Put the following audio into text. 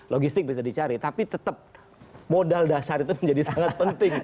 logistik bisa dicari tapi tetap modal dasar itu menjadi sangat penting